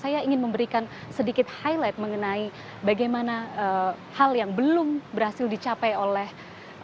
saya ingin memberikan sedikit highlight mengenai bagaimana hal yang belum berhasil dicapai oleh